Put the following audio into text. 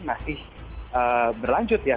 masih berlanjut ya